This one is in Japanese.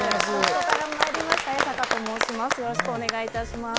よろしくお願いします。